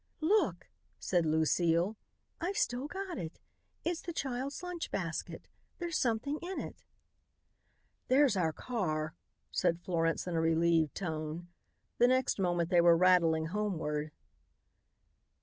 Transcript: "Look," said Lucile, "I've still got it. It's the child's lunch basket. There's something in it." "There's our car," said Florence in a relieved tone. The next moment they were rattling homeward.